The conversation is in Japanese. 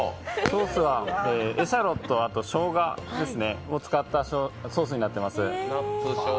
ソースはエシャロットとショウガを使ったソースになってます。